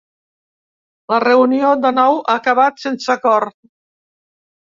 La reunió, de nou, ha acabat sense acord.